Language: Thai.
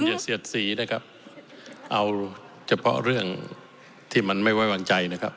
เสียดสีนะครับเอาเฉพาะเรื่องที่มันไม่ไว้วางใจนะครับ